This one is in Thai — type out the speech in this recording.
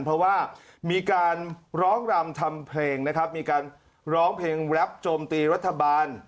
เพราะว่ามีการร้องรำทำเพลงนะครับมีการร้องเพลงแรปโจมตีรัฐบาล